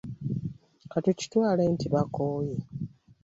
Ka tukitwale nti bakooye.